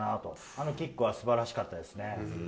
あのキックはすばらしかったですね。